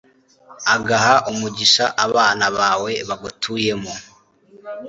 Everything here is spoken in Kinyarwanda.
agaha umugisha abana bawe bagutuyemo